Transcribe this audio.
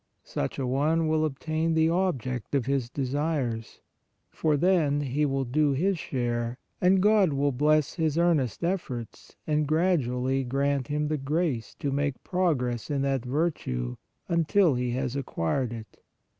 Such a one will obtain the object of his desires, for then he will do his share and God will bless his earnest efforts and gradually grant him the grace to make progress in that virtue, until he has acquired it.